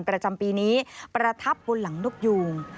ประจำปีนี้ประทับบนหลังนกยูง